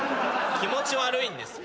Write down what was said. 気持ち悪いんです。